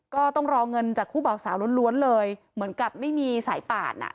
ก็ต้องรอเงินจากคู่เบาสาวล้วนเลยเหมือนกับไม่มีสายป่านอ่ะ